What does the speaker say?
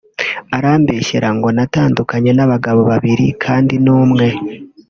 Arambeshyera ngo natandukanye n’abagabo babiri kandi ni umwe